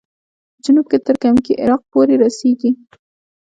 په جنوب کې تر کمکي عراق پورې رسېږي.